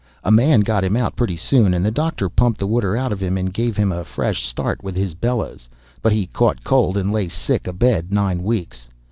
A man got him out pretty soon, and the doctor pumped the water out of him, and gave him a fresh start with his bellows, but he caught cold and lay sick abed nine weeks.